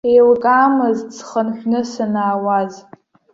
Еилкаамызт схынҳәны санаауаз.